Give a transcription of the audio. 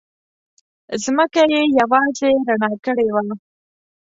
ځمکه یې یوازې رڼا کړې وه.